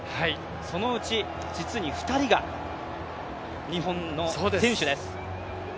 そのうち実に２人が日本の選手です